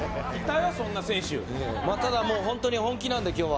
ただ、本当に本気なんで、今日は。